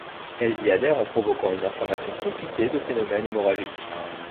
Elles y adhèrent en provoquant une inflammation compliquée de phénomènes hémorragiques.